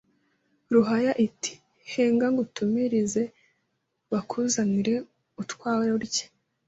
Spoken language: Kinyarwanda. Ruhaya iti henga ngutumirize bakuzanire utwawe urye